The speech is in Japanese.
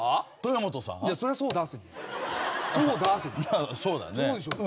まあそうだね。